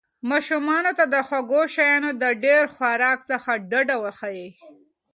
ماشومانو ته د خوږو شیانو د ډېر خوراک څخه ډډه وښایئ.